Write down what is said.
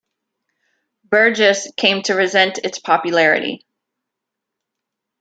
Burgess came to resent its popularity.